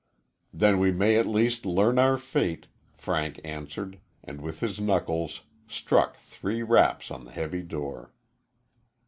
"Then we may at least learn our fate," Frank answered, and with his knuckles struck three raps on the heavy door.